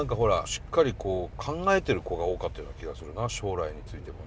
しっかりこう考えてる子が多かったような気がするな将来についてもね。